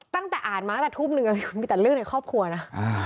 ตั้งแต่อ่านมาตั้งแต่ทุ่มหนึ่งมีแต่เรื่องในครอบครัวนะ